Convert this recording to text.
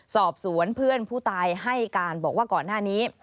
สอบสวนเพื่อนผู้ตายให้การบอกว่าก่อนหน้านี้